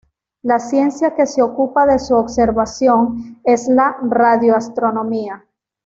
La ciencia que se ocupa de su observación es la radioastronomía.